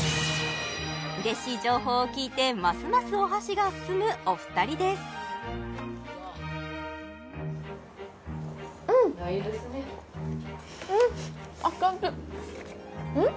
うれしい情報を聞いてますますお箸が進むお二人ですああいいですねうん？